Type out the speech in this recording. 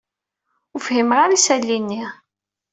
Ur fhimeɣ ara isali-nni.